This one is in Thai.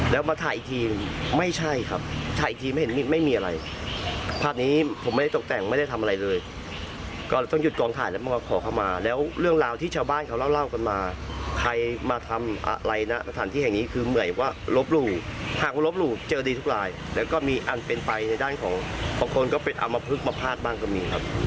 แล้วก็มีอันเป็นไปในด้านของบางคนก็ไปเอามาพลึกมาพลาดบ้างก็มีครับ